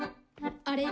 あれ？